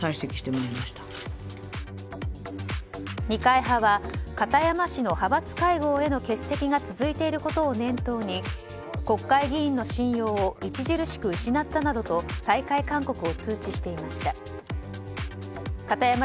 二階派は片山氏の派閥会合への欠席が続いていることを念頭に国会議員の信用を著しく失ったなどと退会勧告を通知していました。